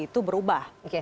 di situ berubah